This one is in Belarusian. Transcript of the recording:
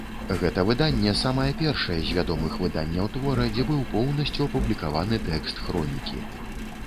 Гэта выданне самае першае з вядомых выданняў твора, дзе быў поўнасцю апублікаваны тэкст хронікі.